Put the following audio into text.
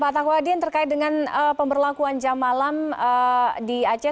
pak takwadin terkait dengan pemberlakuan jam malam di aceh